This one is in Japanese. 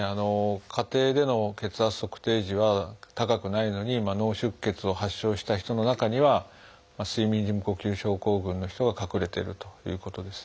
家庭での血圧測定時は高くないのに脳出血を発症した人の中には睡眠時無呼吸症候群の人が隠れているということですね。